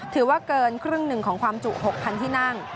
ถือว่าเกินครึ่งหนึ่งของความจุ๖๐๐ที่นั่ง